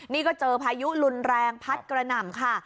นี่ก็เจอพายุรุนแรงพัดกระหน่ำค่ะ